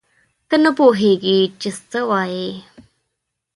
ته نه پوهېږې چې څه وایې.